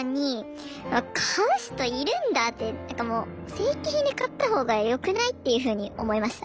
「正規品で買ったほうがよくない？」っていうふうに思いました。